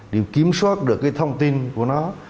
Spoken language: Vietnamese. đều kiểm soát được cái thông tin của nó